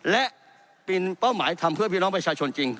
และเป็นเป้าหมายทำเพื่อพี่น้องประชาชนจริง